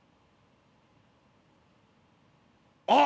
あっ！